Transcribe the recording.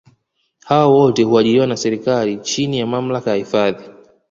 hawa wote huajiriwa na serikali chini ya mamlaka ya hifadhi